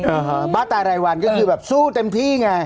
อ่าฮะบ้าตายรายวันก็คือแบบสู้เต็มที่ไง